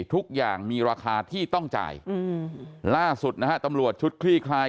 ทุกอย่างมีราคาที่ต้องจ่ายล่าสุดนะฮะตำรวจชุดคลี่คลาย